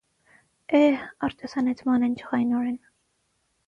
- Էէ՜հ,- արտասանեց Մանեն ջղայնորեն: